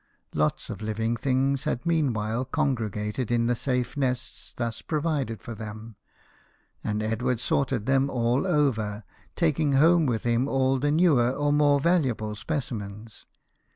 Lots of living things had meanwhile congregated in the safe nests thus provided for them, and Edward sorted them all over, taking home with him all the newer or more valuable specimens.